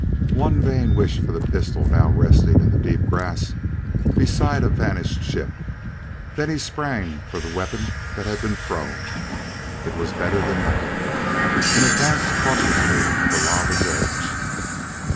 One vain wish for the pistol now resting in the deep grass beside a vanished ship; then he sprang for the weapon that had been thrown it was better than nothing and advanced cautiously to the lava's edge.